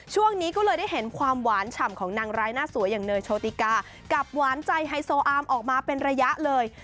ช่วงนี้ก็เลยได้เห็นความหวานฉ่ำของนางร้ายหน้าสวยอย่างเนยโชติกากับหวานใจไฮโซอามออกมาเป็นระยะเลย